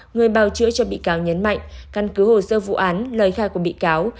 người bào chữa cho bị cáo nhấn mạnh căn cứ hồ sơ vụ án lời khai của bị cáo